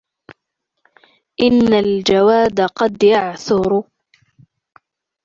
إن الجواد قد يعثر